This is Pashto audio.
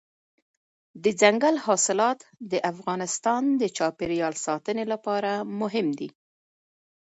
دځنګل حاصلات د افغانستان د چاپیریال ساتنې لپاره مهم دي.